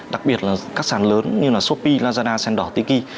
đặc biệt là các sàn lớn như là shopee lazada sendor tiki